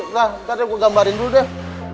lah nanti gue gambarin dulu deh